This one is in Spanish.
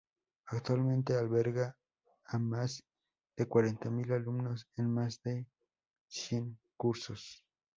Actualmente alberga a más de cuarenta mil alumnos en más de cien cursos.